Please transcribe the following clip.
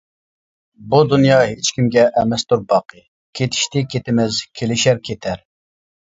بۇ دۇنيا ھېچكىمگە ئەمەستۇر باقى، كېتىشتى، كېتىمىز، كېلىشەر، كېتەر.